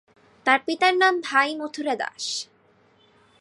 তার পিতার নাম ভাই মথুরা দাস।